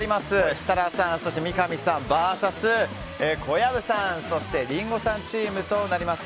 設楽さん、三上さんＶＳ小籔さん、リンゴさんチームとなります。